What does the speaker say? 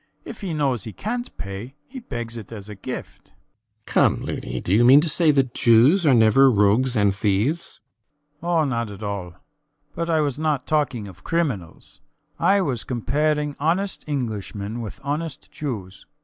If he knows he cant pay, he begs it as a gift. RIDGEON. Come, Loony! do you mean to say that Jews are never rogues and thieves? SCHUTZMACHER. Oh, not at all. But I was not talking of criminals. I was comparing honest Englishmen with honest Jews.